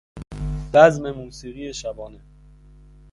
بزم موسیقی شبانه